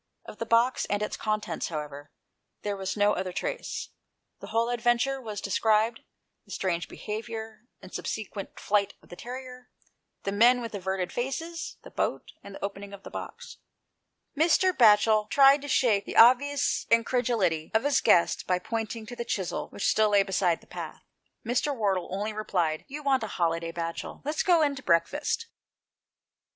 Of the box and its contents, however, there was no other trace. The whole adventure was described — the strange behaviour and subsequent flight of the terrier — the men with averted faces — the boat — and the opening of the box. Mr. Batchel tried to 172 THE PLACE OF SAPETY. shake the, obvious incredulity of his guest by pointii^ to the chisel which still lay beside the ^th. Mr. Wardle only replied, " You want a h^day, Batchel ! Let's go in to breakfast."